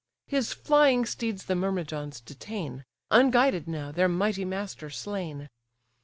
His flying steeds the Myrmidons detain, Unguided now, their mighty master slain.